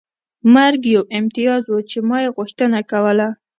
مرګ یو امتیاز و چې ما یې غوښتنه کوله